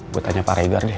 gue tanya pak rehgar deh